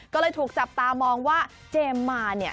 ก็เลยถูกจับตามองว่าเจมส์มาเนี่ย